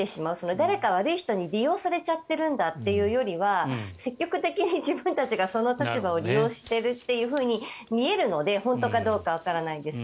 誰か悪い人に利用されちゃってるんだというよりは積極的に自分たちがその立場を利用していると見えるので本当かどうかはわかりませんが。